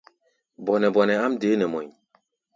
Bɔnɛ-bɔnɛ áʼm deé nɛ mɔʼí̧.